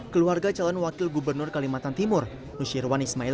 keluarga calon wakil gubernur kalimantan timur nusyirwan ismail